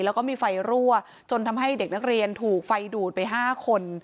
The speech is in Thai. แล้วก็มีไฟรั่วจนทำให้เด็กนักเรียนถูกไฟดูดไป๕คน